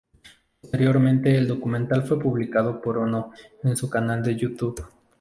Posteriormente el documental fue publicado por Ono en su canal de Youtube.